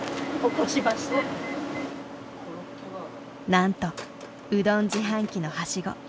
なんとうどん自販機のはしご。